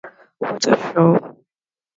What a show!